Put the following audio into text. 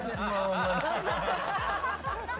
tidak tidak pernah